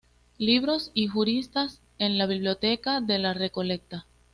Libros y juristas en la Biblioteca de La Recoleta".